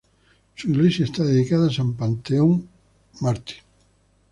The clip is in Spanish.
Su iglesia está dedicada a san Pantaleón mártir.